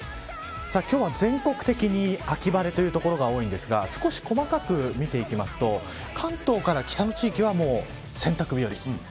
今日は全国的に秋晴れという所が多いのですが少し、細かく見ていくと関東から北の地域は洗濯日和です。